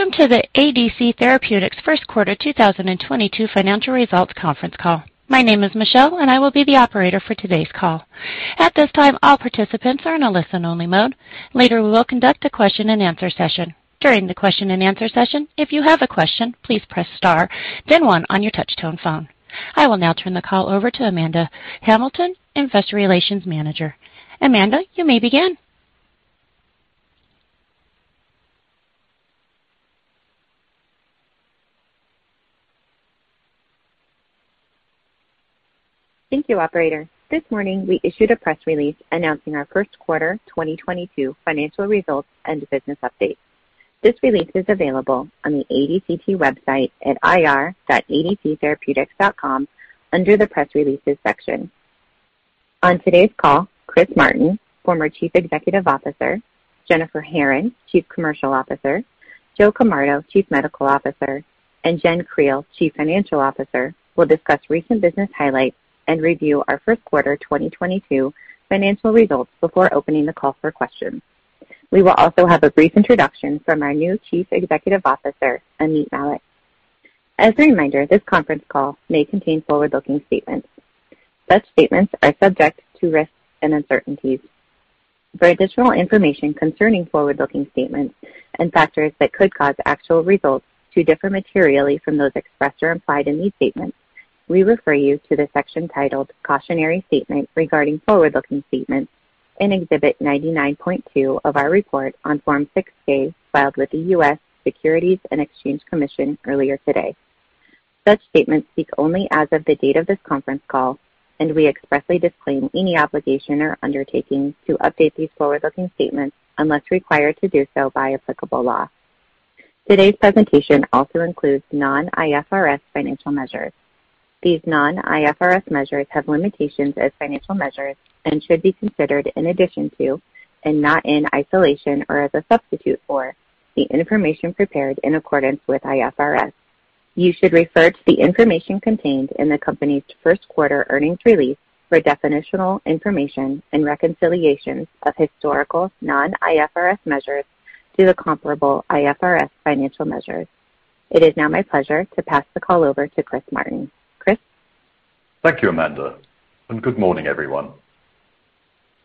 Welcome to the ADC Therapeutics First Quarter 2022 financial results conference call. My name is Michelle and I will be the operator for today's call. At this time, all participants are in a listen only mode. Later, we will conduct a question-and-answer session. During the question-and-answer session, if you have a question, please press star then one on your touchtone phone. I will now turn the call over to Amanda Hamilton, Investor Relations Manager. Amanda, you may begin. Thank you, operator. This morning we issued a press release announcing our first quarter 2022 financial results and business update. This release is available on the ADCT website at ir.adctherapeutics.com under the Press Releases section. On today's call, Chris Martin, former chief executive officer, Jennifer Herron, chief commercial officer, Joe Camardo, chief medical officer, and Jen Creel, chief financial officer, will discuss recent business highlights and review our first quarter 2022 financial results before opening the call for questions. We will also have a brief introduction from our new chief executive officer, Ameet Mallik. As a reminder, this conference call may contain forward-looking statements. Such statements are subject to risks and uncertainties. For additional information concerning forward-looking statements and factors that could cause actual results to differ materially from those expressed or implied in these statements, we refer you to the section titled Cautionary Statement regarding forward-looking statements in Exhibit 99.2 of our report on Form 6-K filed with the U.S. Securities and Exchange Commission earlier today. Such statements speak only as of the date of this conference call, and we expressly disclaim any obligation or undertaking to update these forward-looking statements unless required to do so by applicable law. Today's presentation also includes non-IFRS financial measures. These non-IFRS measures have limitations as financial measures and should be considered in addition to, and not in isolation or as a substitute for, the information prepared in accordance with IFRS. You should refer to the information contained in the company's first quarter earnings release for definitional information and reconciliations of historical non-IFRS measures to the comparable IFRS financial measures. It is now my pleasure to pass the call over to Chris Martin. Chris. Thank you, Amanda, and good morning, everyone.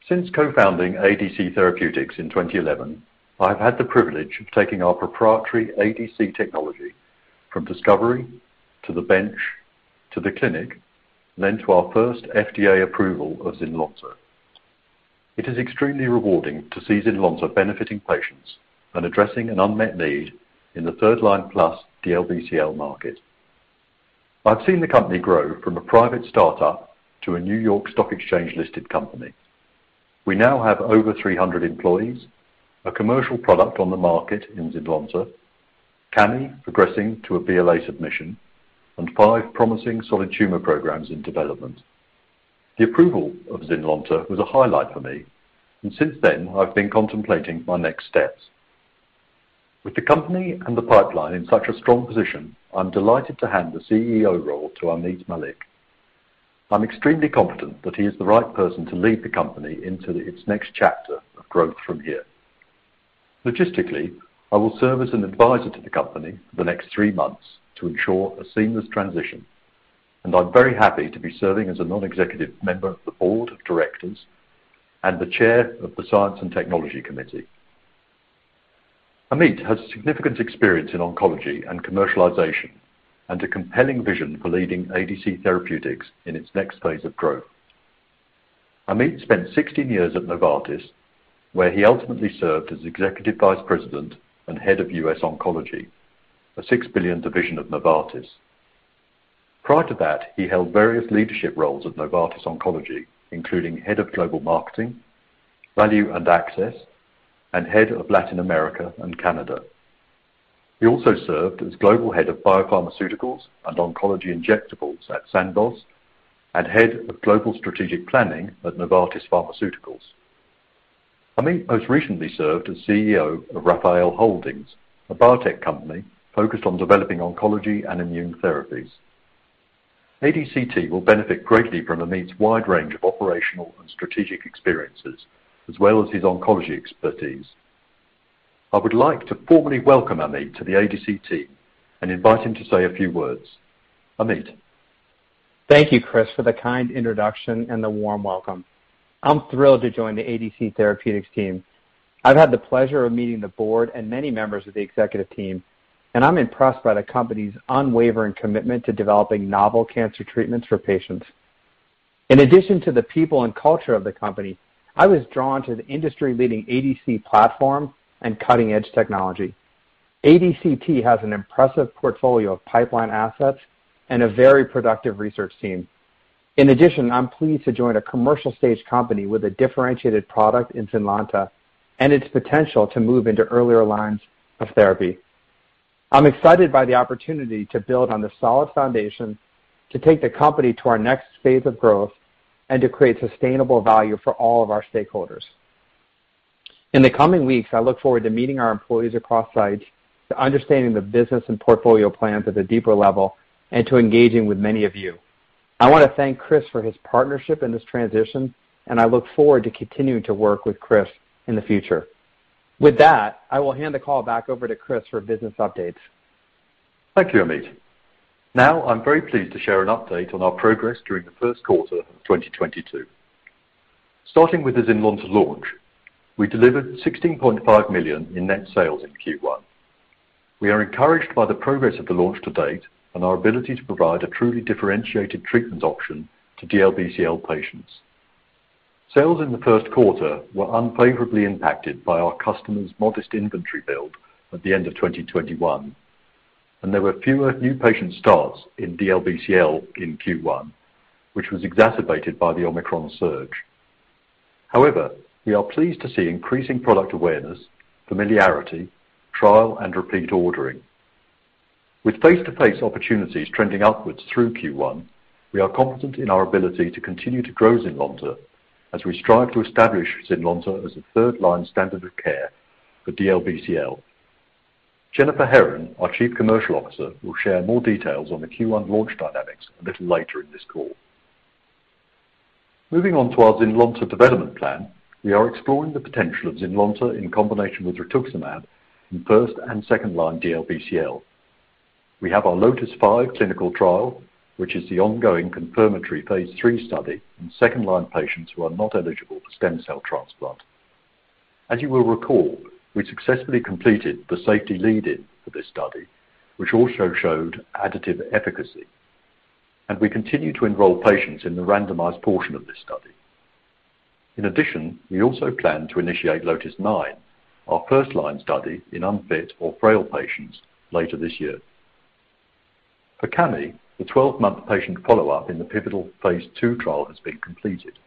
Since co-founding ADC Therapeutics in 2011, I've had the privilege of taking our proprietary ADC technology from discovery to the bench to the clinic, and then to our first FDA approval of ZYNLONTA. It is extremely rewarding to see ZYNLONTA benefiting patients and addressing an unmet need in the third-line plus DLBCL market. I've seen the company grow from a private start-up to a New York Stock Exchange-listed company. We now have over 300 employees, a commercial product on the market in ZYNLONTA, Cami progressing to a BLA submission, and five promising solid tumor programs in development. The approval of ZYNLONTA was a highlight for me, and since then I've been contemplating my next steps. With the company and the pipeline in such a strong position, I'm delighted to hand the CEO role to Ameet Mallik. I'm extremely confident that he is the right person to lead the company into its next chapter of growth from here. Logistically, I will serve as an advisor to the company for the next three months to ensure a seamless transition, and I'm very happy to be serving as a non-executive member of the board of directors and the chair of the Science and Technology Committee. Ameet has significant experience in oncology and commercialization and a compelling vision for leading ADC Therapeutics in its next phase of growth. Ameet spent 16 years at Novartis, where he ultimately served as Executive Vice President and head of US Oncology, a $6 billion division of Novartis. Prior to that, he held various leadership roles at Novartis Oncology, including Head of Global Marketing, Value and Access, and Head of Latin America and Canada. He also served as Global Head of Biopharmaceuticals and Oncology Injectables at Sandoz and Head of Global Strategic Planning at Novartis Pharmaceuticals. Ameet most recently served as CEO of Rafael Holdings, a biotech company focused on developing oncology and immune therapies. ADCT will benefit greatly from Ameet's wide range of operational and strategic experiences, as well as his oncology expertise. I would like to formally welcome Ameet to the ADCT and invite him to say a few words. Ameet. Thank you, Chris, for the kind introduction and the warm welcome. I'm thrilled to join the ADC Therapeutics team. I've had the pleasure of meeting the board and many members of the executive team, and I'm impressed by the company's unwavering commitment to developing novel cancer treatments for patients. In addition to the people and culture of the company, I was drawn to the industry-leading ADC platform and cutting-edge technology. ADCT has an impressive portfolio of pipeline assets and a very productive research team. In addition, I'm pleased to join a commercial-stage company with a differentiated product in ZYNLONTA and its potential to move into earlier lines of therapy. I'm excited by the opportunity to build on the solid foundation to take the company to our next phase of growth and to create sustainable value for all of our stakeholders. In the coming weeks, I look forward to meeting our employees across sites, to understanding the business and portfolio plans at a deeper level, and to engaging with many of you. I wanna thank Chris for his partnership in this transition, and I look forward to continuing to work with Chris in the future. With that, I will hand the call back over to Chris for business updates. Thank you, Ameet. Now, I'm very pleased to share an update on our progress during the first quarter of 2022. Starting with the ZYNLONTA launch, we delivered $16.5 million in net sales in Q1. We are encouraged by the progress of the launch to date and our ability to provide a truly differentiated treatment option to DLBCL patients. Sales in the first quarter were unfavorably impacted by our customers' modest inventory build at the end of 2021, and there were fewer new patient starts in DLBCL in Q1, which was exacerbated by the Omicron surge. However, we are pleased to see increasing product awareness, familiarity, trial, and repeat ordering. With face-to-face opportunities trending upwards through Q1, we are confident in our ability to continue to grow ZYNLONTA as we strive to establish ZYNLONTA as a third-line standard of care for DLBCL. Jennifer Herron, our Chief Commercial Officer, will share more details on the Q1 launch dynamics a little later in this call. Moving on to our ZYNLONTA development plan, we are exploring the potential of ZYNLONTA in combination with rituximab in first and second-line DLBCL. We have our LOTIS-5 clinical trial, which is the ongoing confirmatory phase III study in second-line patients who are not eligible for stem cell transplant. As you will recall, we successfully completed the safety lead-in for this study, which also showed additive efficacy, and we continue to enroll patients in the randomized portion of this study. In addition, we also plan to initiate LOTIS-9, our first-line study in unfit or frail patients later this year. For Cami, the 12-month patient follow-up in the pivotal phase II trial has been completed.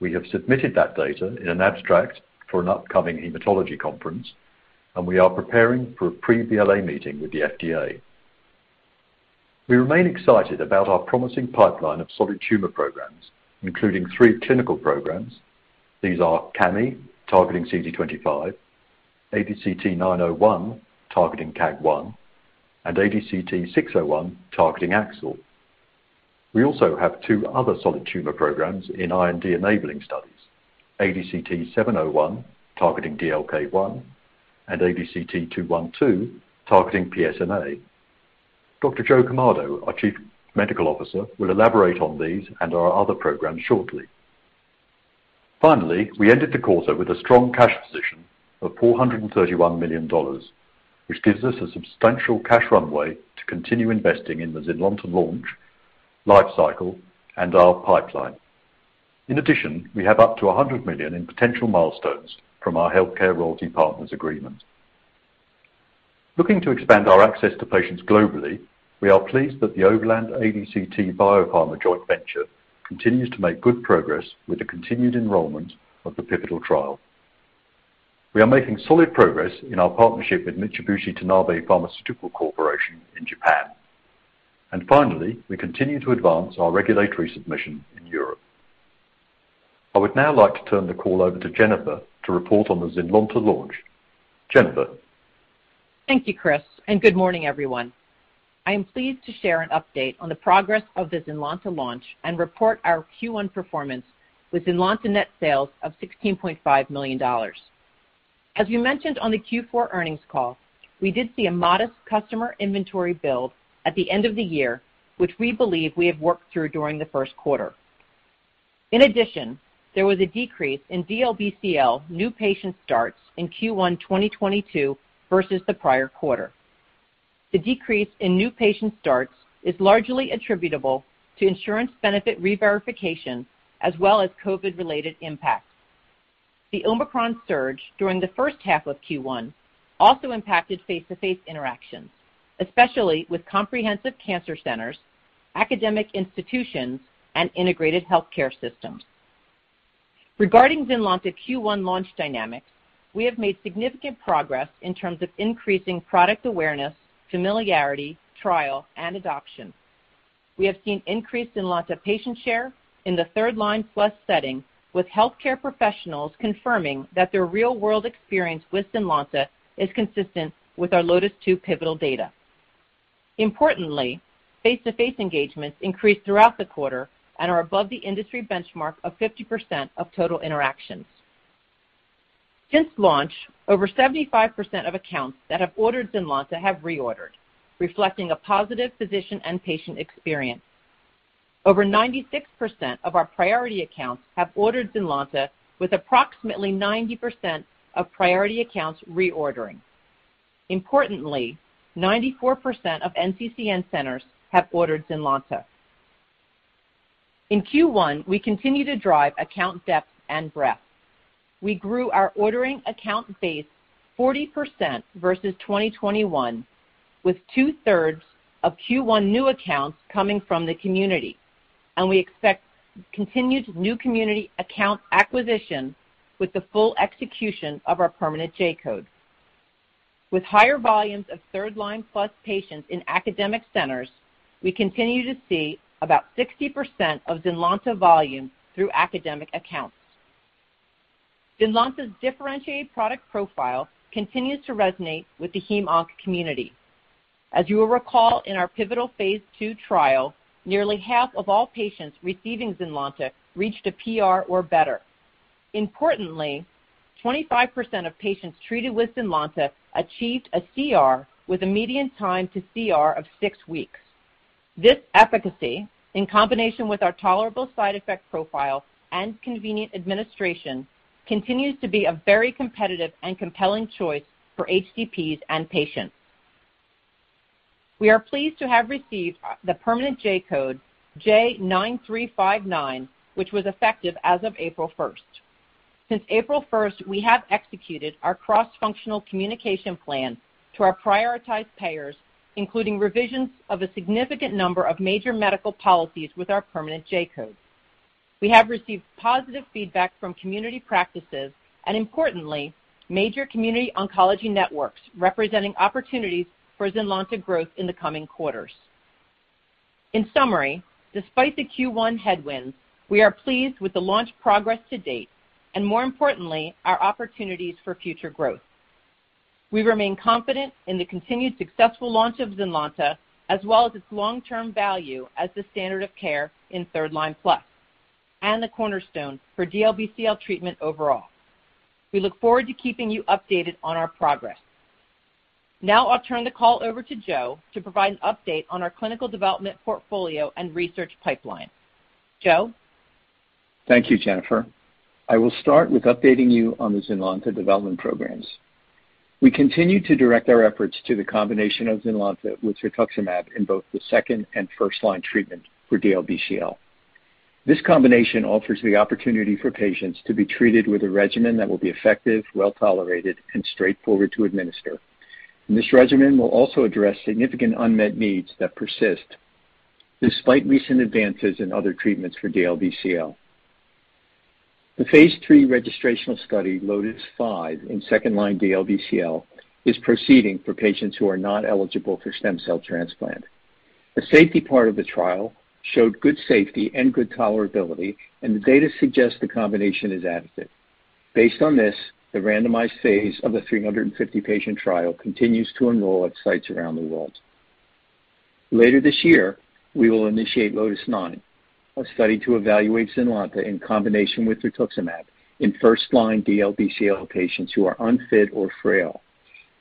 We have submitted that data in an abstract for an upcoming hematology conference, and we are preparing for a pre-BLA meeting with the FDA. We remain excited about our promising pipeline of solid tumor programs, including three clinical programs. These are Cami, targeting CD25, ADCT-901, targeting KAAG1, and ADCT-601, targeting AXL. We also have two other solid tumor programs in IND-enabling studies, ADCT-701, targeting DLK1, and ADCT-212, targeting PSMA. Dr. Joe Camardo, our Chief Medical Officer, will elaborate on these and our other programs shortly. Finally, we ended the quarter with a strong cash position of $431 million, which gives us a substantial cash runway to continue investing in the ZYNLONTA launch, life cycle, and our pipeline. In addition, we have up to $100 million in potential milestones from our HealthCare Royalty Partners agreement. Looking to expand our access to patients globally, we are pleased that the Overland ADCT BioPharma joint venture continues to make good progress with the continued enrollment of the pivotal trial. We are making solid progress in our partnership with Mitsubishi Tanabe Pharma Corporation in Japan. Finally, we continue to advance our regulatory submission in Europe. I would now like to turn the call over to Jennifer to report on the ZYNLONTA launch. Jennifer? Thank you, Chris, and good morning, everyone. I am pleased to share an update on the progress of the ZYNLONTA launch and report our Q1 performance with ZYNLONTA net sales of $16.5 million. As you mentioned on the Q4 earnings call, we did see a modest customer inventory build at the end of the year, which we believe we have worked through during the first quarter. In addition, there was a decrease in DLBCL new patient starts in Q1 2022 versus the prior quarter. The decrease in new patient starts is largely attributable to insurance benefit reverification as well as COVID-related impacts. The Omicron surge during the first half of Q1 also impacted face-to-face interactions, especially with comprehensive cancer centers, academic institutions, and integrated healthcare systems. Regarding ZYNLONTA Q1 launch dynamics, we have made significant progress in terms of increasing product awareness, familiarity, trial, and adoption. We have seen increase in ZYNLONTA patient share in the third-line plus setting with healthcare professionals confirming that their real-world experience with ZYNLONTA is consistent with our LOTIS-2 pivotal data. Importantly, face-to-face engagements increased throughout the quarter and are above the industry benchmark of 50% of total interactions. Since launch, over 75% of accounts that have ordered ZYNLONTA have reordered, reflecting a positive physician and patient experience. Over 96% of our priority accounts have ordered ZYNLONTA with approximately 90% of priority accounts reordering. Importantly, 94% of NCCN centers have ordered ZYNLONTA. In Q1, we continue to drive account depth and breadth. We grew our ordering account base 40% versus 2021, with two-thirds of Q1 new accounts coming from the community, and we expect continued new community account acquisition with the full execution of our permanent J-code. With higher volumes of third-line plus patients in academic centers, we continue to see about 60% of ZYNLONTA volume through academic accounts. ZYNLONTA's differentiated product profile continues to resonate with the Heme/Onc community. As you will recall in our pivotal phase II trial, nearly half of all patients receiving ZYNLONTA reached a PR or better. Importantly, 25% of patients treated with ZYNLONTA achieved a CR with a median time to CR of six weeks. This efficacy, in combination with our tolerable side effect profile and convenient administration, continues to be a very competitive and compelling choice for HCPs and patients. We are pleased to have received the permanent J-code, J9359, which was effective as of April 1. Since April first, we have executed our cross-functional communication plan to our prioritized payers, including revisions of a significant number of major medical policies with our permanent J-code. We have received positive feedback from community practices and, importantly, major community oncology networks representing opportunities for ZYNLONTA growth in the coming quarters. In summary, despite the Q1 headwinds, we are pleased with the launch progress to date and more importantly, our opportunities for future growth. We remain confident in the continued successful launch of ZYNLONTA as well as its long-term value as the standard of care in third-line plus and the cornerstone for DLBCL treatment overall. We look forward to keeping you updated on our progress. Now I'll turn the call over to Joe to provide an update on our clinical development portfolio and research pipeline. Joe? Thank you, Jennifer. I will start with updating you on the ZYNLONTA development programs. We continue to direct our efforts to the combination of ZYNLONTA with rituximab in both the second and first-line treatment for DLBCL. This combination offers the opportunity for patients to be treated with a regimen that will be effective, well-tolerated and straightforward to administer. This regimen will also address significant unmet needs that persist despite recent advances in other treatments for DLBCL. The phase III registrational study, LOTIS-5 in second-line DLBCL, is proceeding for patients who are not eligible for stem cell transplant. The safety part of the trial showed good safety and good tolerability, and the data suggests the combination is adequate. Based on this, the randomized phase of the 350-patient trial continues to enroll at sites around the world. Later this year, we will initiate LOTIS-9, a study to evaluate ZYNLONTA in combination with rituximab in first-line DLBCL patients who are unfit or frail.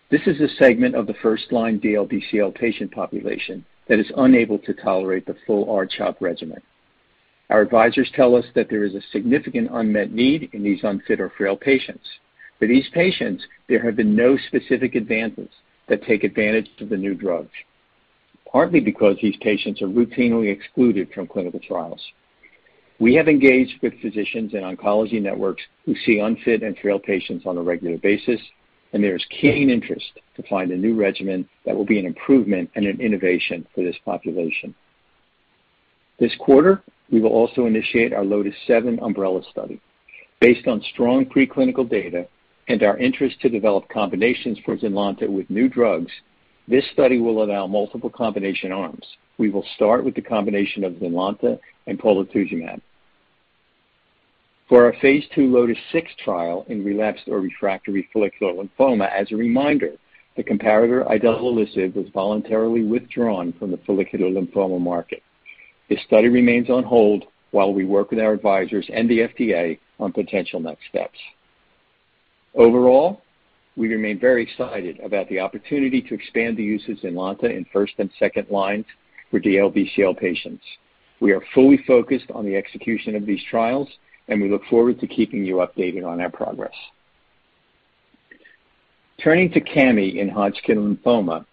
This is a segment of the first-line DLBCL patient population that is unable to tolerate the full R-CHOP regimen. Our advisors tell us that there is a significant unmet need in these unfit or frail patients. For these patients, there have been no specific advances that take advantage of the new drugs, partly because these patients are routinely excluded from clinical trials. We have engaged with physicians in oncology networks who see unfit and frail patients on a regular basis, and there is keen interest to find a new regimen that will be an improvement and an innovation for this population. This quarter, we will also initiate our LOTIS-7 umbrella study based on strong preclinical data and our interest to develop combinations for ZYNLONTA with new drugs. This study will allow multiple combination arms. We will start with the combination of ZYNLONTA and polatuzumab. For our phase II LOTIS-6 trial in relapsed or refractory follicular lymphoma, as a reminder, the comparator, idelalisib, was voluntarily withdrawn from the follicular lymphoma market. This study remains on hold while we work with our advisors and the FDA on potential next steps. Overall, we remain very excited about the opportunity to expand the use of ZYNLONTA in first and second lines for DLBCL patients. We are fully focused on the execution of these trials, and we look forward to keeping you updated on our progress. Turning to Cami in Hodgkin lymphoma,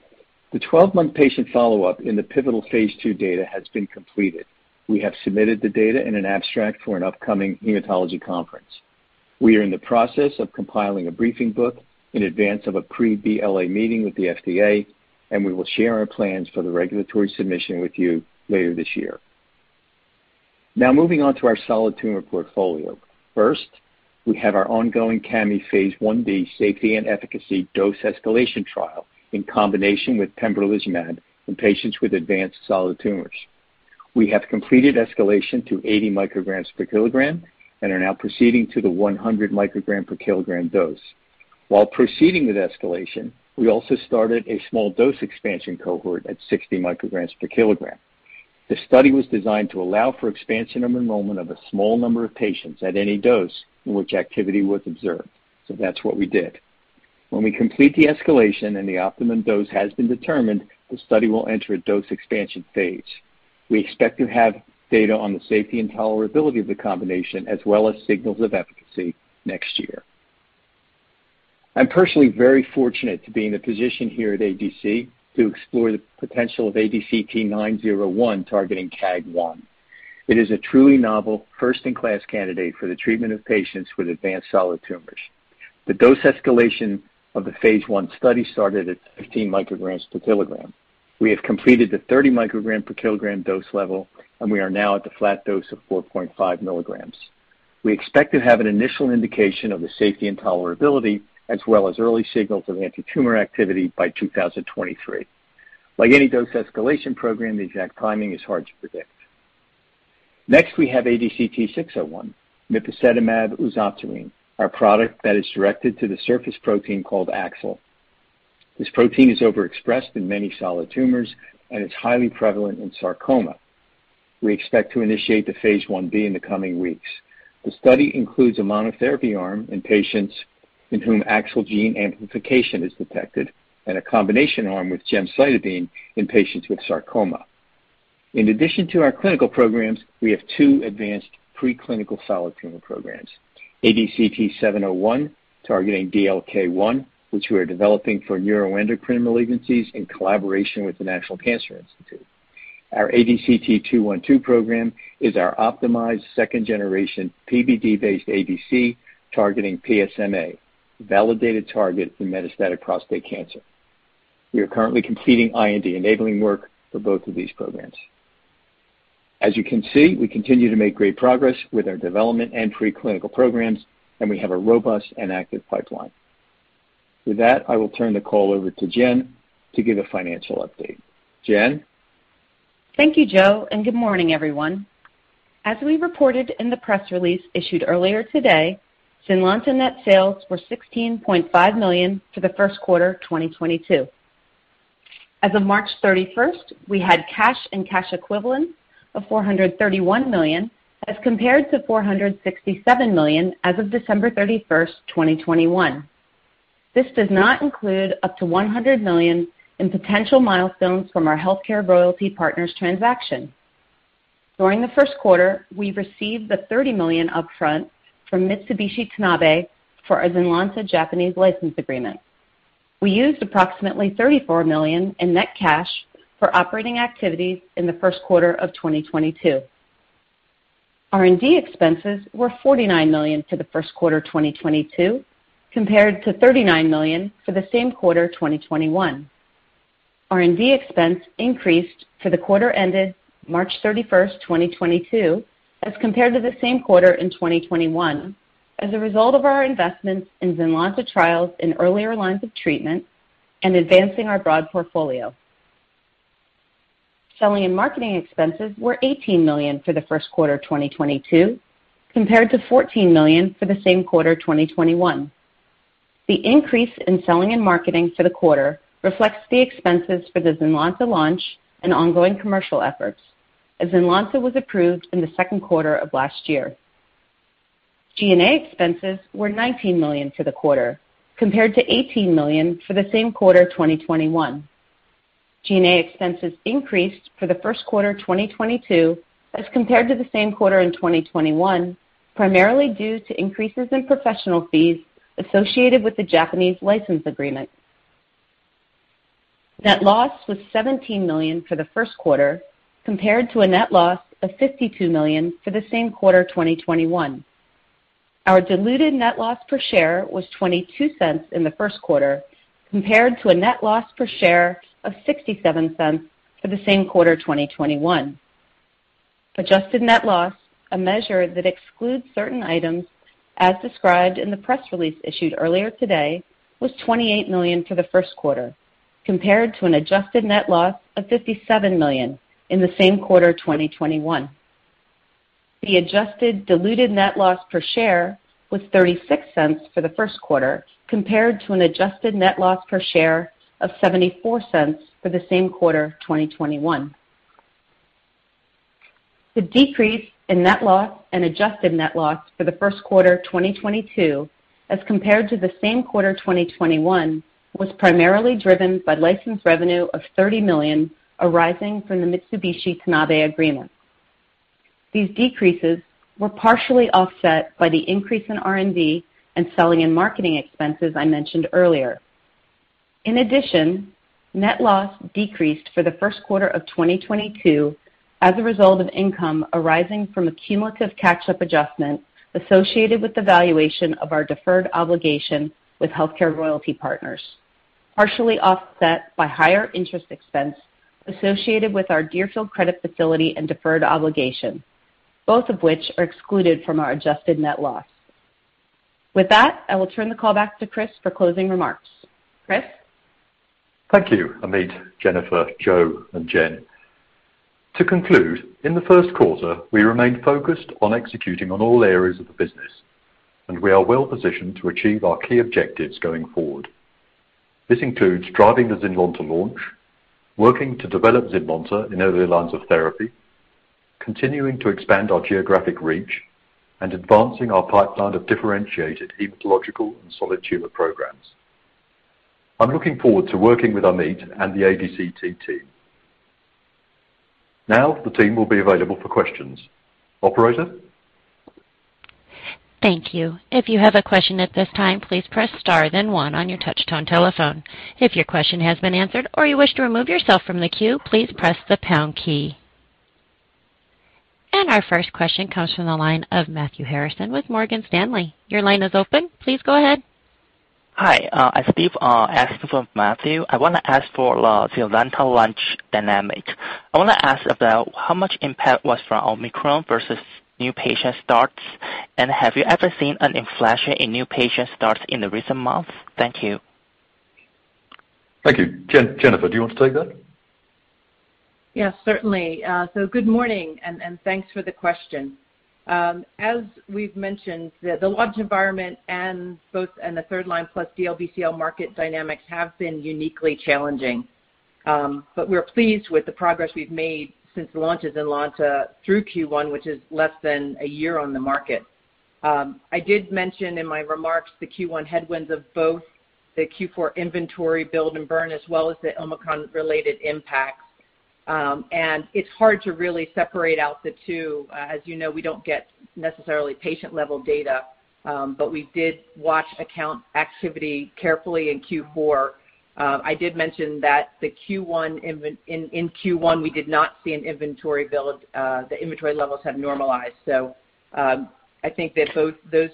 the 12-month patient follow-up in the pivotal phase II data has been completed. We have submitted the data in an abstract for an upcoming hematology conference. We are in the process of compiling a briefing book in advance of a pre-BLA meeting with the FDA, and we will share our plans for the regulatory submission with you later this year. Now moving on to our solid tumor portfolio. First, we have our ongoing Cami phase Ib safety and efficacy dose escalation trial in combination with pembrolizumab in patients with advanced solid tumors. We have completed escalation to 80 micrograms per kilogram and are now proceeding to the 100 microgram per kilogram dose. While proceeding with escalation, we also started a small dose expansion cohort at 60 micrograms per kilogram. The study was designed to allow for expansion of enrollment of a small number of patients at any dose in which activity was observed, so that's what we did. When we complete the escalation and the optimum dose has been determined, the study will enter a dose expansion phase. We expect to have data on the safety and tolerability of the combination as well as signals of efficacy next year. I'm personally very fortunate to be in the position here at ADC to explore the potential of ADCT-901 targeting KAAG1. It is a truly novel first-in-class candidate for the treatment of patients with advanced solid tumors. The dose escalation of the phase I study started at 15 micrograms per kilogram. We have completed the 30 microgram per kilogram dose level, and we are now at the flat dose of 4.5 mg. We expect to have an initial indication of the safety and tolerability as well as early signals of antitumor activity by 2023. Like any dose escalation program, the exact timing is hard to predict. Next we have ADCT-601, mipasetamab uzoptirine, our product that is directed to the surface protein called AXL. This protein is overexpressed in many solid tumors and it's highly prevalent in sarcoma. We expect to initiate the phase Ib in the coming weeks. The study includes a monotherapy arm in patients in whom AXL gene amplification is detected, and a combination arm with gemcitabine in patients with sarcoma. In addition to our clinical programs, we have two advanced preclinical solid tumor programs. ADCT-701 targeting DLK1, which we are developing for neuroendocrine malignancies in collaboration with the National Cancer Institute. Our ADCT-212 program is our optimized second-generation PBD-based ADC targeting PSMA, a validated target for metastatic prostate cancer. We are currently completing IND-enabling work for both of these programs. As you can see, we continue to make great progress with our development and preclinical programs, and we have a robust and active pipeline. With that, I will turn the call over to Jenn to give a financial update. Jenn? Thank you, Joe, and good morning, everyone. As we reported in the press release issued earlier today, ZYNLONTA net sales were $16.5 million for the first quarter of 2022. As of March 31, we had cash and cash equivalents of $431 million as compared to $467 million as of December 31, 2021. This does not include up to $100 million in potential milestones from our HealthCare Royalty Partners transaction. During the first quarter, we received the $30 million upfront from Mitsubishi Tanabe for our ZYNLONTA Japanese license agreement. We used approximately $34 million in net cash for operating activities in the first quarter of 2022. R&D expenses were $49 million for the first quarter of 2022, compared to $39 million for the same quarter 2021. R&D expense increased for the quarter ended March 31, 2022, as compared to the same quarter in 2021 as a result of our investments in ZYNLONTA trials in earlier lines of treatment and advancing our broad portfolio. Selling and marketing expenses were $18 million for the first quarter of 2022, compared to $14 million for the same quarter of 2021. The increase in selling and marketing for the quarter reflects the expenses for the ZYNLONTA launch and ongoing commercial efforts, as ZYNLONTA was approved in the second quarter of last year. G&A expenses were $19 million for the quarter, compared to $18 million for the same quarter of 2021. G&A expenses increased for the first quarter of 2022 as compared to the same quarter in 2021, primarily due to increases in professional fees associated with the Japanese license agreement. Net loss was $17 million for the first quarter, compared to a net loss of $52 million for the same quarter of 2021. Our diluted net loss per share was $0.22 in the first quarter, compared to a net loss per share of $0.67 for the same quarter of 2021. Adjusted net loss, a measure that excludes certain items as described in the press release issued earlier today, was $28 million for the first quarter, compared to an adjusted net loss of $57 million in the same quarter of 2021. The adjusted diluted net loss per share was $0.36 for the first quarter, compared to an adjusted net loss per share of $0.74 for the same quarter of 2021. The decrease in net loss and adjusted net loss for the first quarter of 2022 as compared to the same quarter of 2021 was primarily driven by license revenue of $30 million arising from the Mitsubishi Tanabe agreement. These decreases were partially offset by the increase in R&D and selling and marketing expenses I mentioned earlier. In addition, net loss decreased for the first quarter of 2022 as a result of income arising from a cumulative catch-up adjustment associated with the valuation of our deferred obligation with Healthcare Royalty Partners, partially offset by higher interest expense associated with our Deerfield credit facility and deferred obligation, both of which are excluded from our adjusted net loss. With that, I will turn the call back to Chris for closing remarks. Chris? Thank you, Ameet, Jennifer, Joe, and Jen. To conclude, in the first quarter, we remained focused on executing on all areas of the business, and we are well positioned to achieve our key objectives going forward. This includes driving the ZYNLONTA launch, working to develop ZYNLONTA in earlier lines of therapy, continuing to expand our geographic reach, and advancing our pipeline of differentiated hematological and solid tumor programs. I'm looking forward to working with Ameet and the ADCT team. Now, the team will be available for questions. Operator? Thank you. If you have a question at this time, please press star then one on your touchtone telephone. If your question has been answered or you wish to remove yourself from the queue, please press the pound key. Our first question comes from the line of Matthew Harrison with Morgan Stanley. Your line is open. Please go ahead. Hi, as Steve asked from Matthew, I wanna ask for the ZYNLONTA launch dynamics. I wanna ask about how much impact was from Omicron versus new patient starts, and have you ever seen an inflection in new patient starts in the recent months? Thank you. Thank you. Jennifer, do you want to take that? Yes, certainly. Good morning and thanks for the question. As we've mentioned, the launch environment and the third line plus DLBCL market dynamics have been uniquely challenging. We're pleased with the progress we've made since the launch of ZYNLONTA through Q1, which is less than a year on the market. I did mention in my remarks the Q1 headwinds of both the Q4 inventory build and burn, as well as the Omicron related impacts. It's hard to really separate out the two. As you know, we don't get necessarily patient-level data, but we did watch account activity carefully in Q4. I did mention that in Q1 we did not see an inventory build. The inventory levels have normalized. I think that both those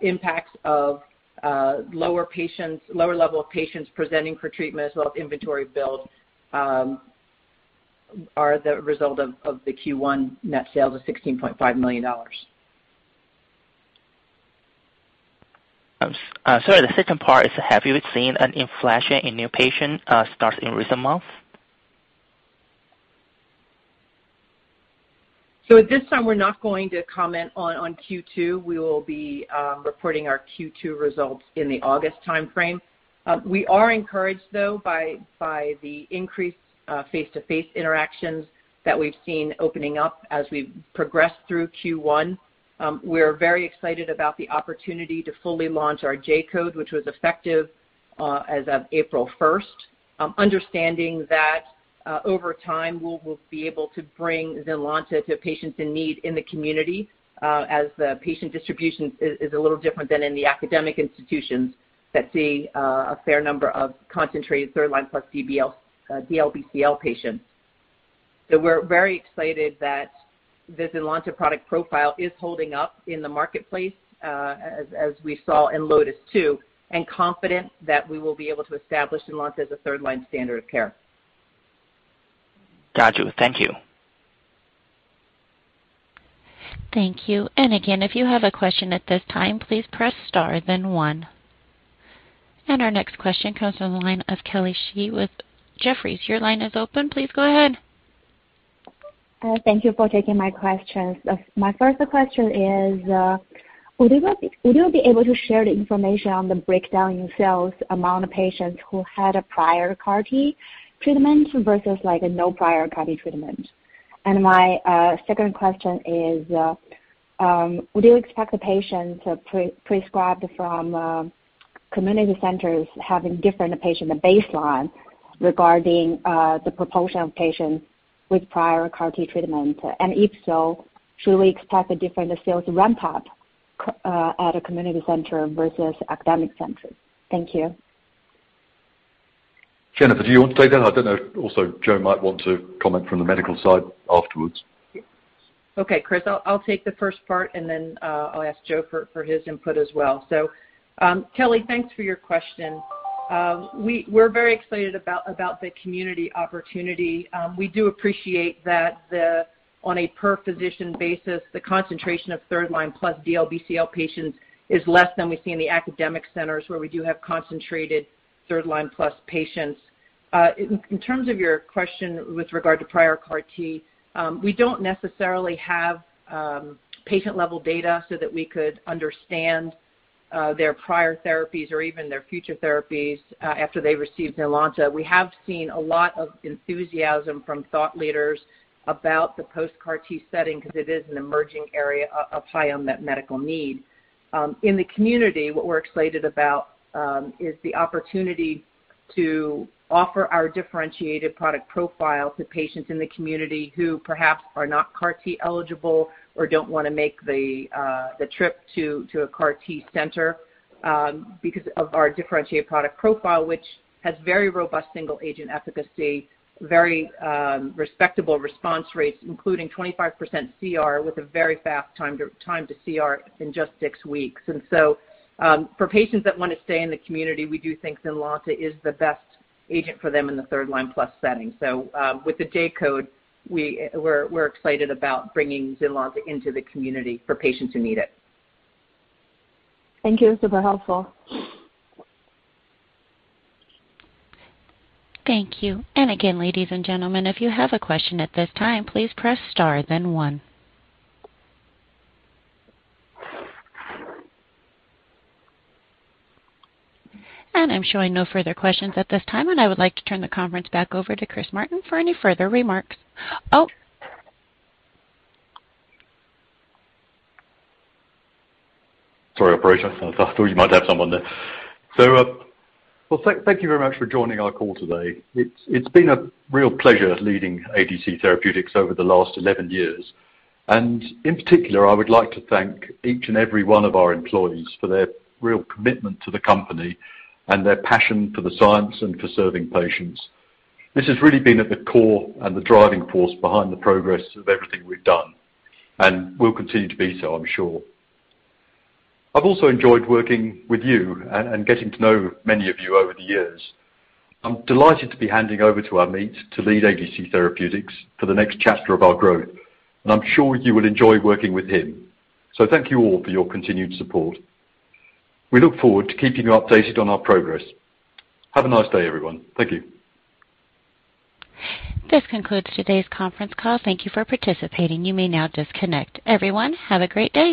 impacts of lower patients, lower level of patients presenting for treatment as well as inventory build are the result of the Q1 net sales of $16.5 million. Sorry. The second part is, have you seen an inflection in new patient starts in recent months? At this time, we're not going to comment on Q2. We will be reporting our Q2 results in the August timeframe. We are encouraged, though, by the increased face-to-face interactions that we've seen opening up as we've progressed through Q1. We're very excited about the opportunity to fully launch our J-code, which was effective as of April first. Understanding that, over time, we'll be able to bring ZYNLONTA to patients in need in the community, as the patient distribution is a little different than in the academic institutions that see a fair number of concentrated third line plus DLBCL patients. We're very excited that the ZYNLONTA product profile is holding up in the marketplace, as we saw in LOTIS-2 and confident that we will be able to establish ZYNLONTA as a third-line standard of care. Got you. Thank you. Thank you. Again, if you have a question at this time, please press star then one. Our next question comes from the line of Kelly Shi with Jefferies. Your line is open. Please go ahead. Thank you for taking my questions. My first question is, would you be able to share the information on the breakdown in sales among the patients who had a prior CAR T treatment versus like a no prior CAR T treatment? My second question is, would you expect the patients pre-prescribed from community centers having different patient baseline regarding the proportion of patients with prior CAR T treatment? And if so, should we expect a different sales ramp up at a community center versus academic centers? Thank you. Jennifer, do you want to take that? I don't know. Also, Joe might want to comment from the medical side afterwards. Okay, Chris. I'll take the first part, and then I'll ask Joe for his input as well. Kelly, thanks for your question. We're very excited about the community opportunity. We do appreciate that on a per physician basis, the concentration of third-line plus DLBCL patients is less than we see in the academic centers where we do have concentrated third-line plus patients. In terms of your question with regard to prior CAR T, we don't necessarily have patient-level data so that we could understand their prior therapies or even their future therapies after they receive ZYNLONTA. We have seen a lot of enthusiasm from thought leaders about the post-CAR T setting 'cause it is an emerging area of high unmet medical need. In the community, what we're excited about is the opportunity to offer our differentiated product profile to patients in the community who perhaps are not CAR T eligible or don't wanna make the trip to a CAR T center, because of our differentiated product profile, which has very robust single agent efficacy, very respectable response rates, including 25% CR with a very fast time to CR in just 6 weeks. For patients that wanna stay in the community, we do think ZYNLONTA is the best agent for them in the third line plus setting. With the J-code, we're excited about bringing ZYNLONTA into the community for patients who need it. Thank you. Super helpful. Thank you. Again, ladies and gentlemen, if you have a question at this time, please press star then one. I'm showing no further questions at this time, and I would like to turn the conference back over to Chris Martin for any further remarks. Oh. Sorry, operator. I thought you might have someone there. Well, thank you very much for joining our call today. It's been a real pleasure leading ADC Therapeutics over the last 11 years. In particular, I would like to thank each and every one of our employees for their real commitment to the company and their passion for the science and for serving patients. This has really been at the core and the driving force behind the progress of everything we've done and will continue to be so, I'm sure. I've also enjoyed working with you and getting to know many of you over the years. I'm delighted to be handing over to Ameet to lead ADC Therapeutics for the next chapter of our growth, and I'm sure you will enjoy working with him. Thank you all for your continued support. We look forward to keeping you updated on our progress. Have a nice day, everyone. Thank you. This concludes today's conference call. Thank you for participating. You may now disconnect. Everyone, have a great day.